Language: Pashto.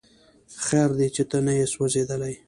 خیر دی چې ته نه یې سوځېدلی